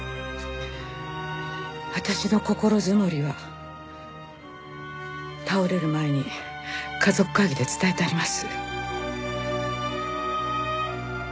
私の心積もりは倒れる前に家族会議で伝えてあります。